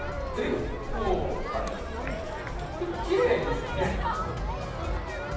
結構きれいですね。